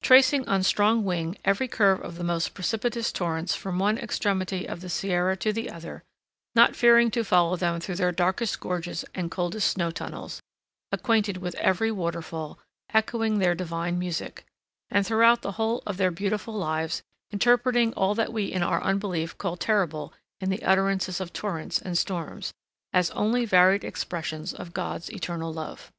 Tracing on strong wing every curve of the most precipitous torrents from one extremity of the Sierra to the other; not fearing to follow them through their darkest gorges and coldest snow tunnels; acquainted with every waterfall, echoing their divine music; and throughout the whole of their beautiful lives interpreting all that we in our unbelief call terrible in the utterances of torrents and storms, as only varied expressions of God's eternal love.